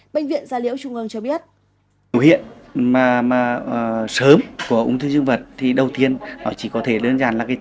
bệnh viện gia liễu trung ương cho biết